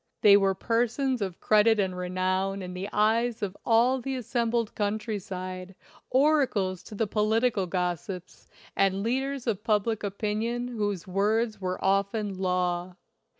They were persons of credit and renown in the eyes of all the assembled coun try side, oracles to the political gossips, and leaders of public opinion whose words were often law.